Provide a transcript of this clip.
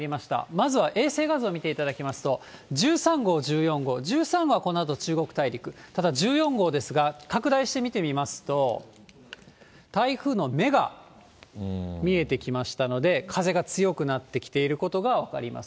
まずは衛星画像を見ていただくと、１３号、１４号、１３号はこのあと中国大陸、ただ１４号ですが、拡大して見てみますと、台風の目が見えてきましたので、風が強くなってきていることが分かります。